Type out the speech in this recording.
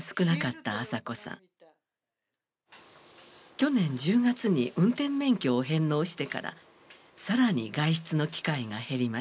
去年１０月に運転免許を返納してから更に外出の機会が減りました。